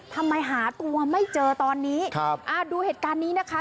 ทำไมหาตัวไม่เจอตอนนี้ครับอ่าดูเหตุการณ์นี้นะคะ